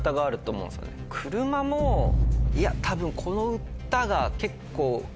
車もいや多分この歌が。